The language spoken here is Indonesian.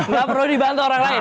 nggak perlu dibantu orang lain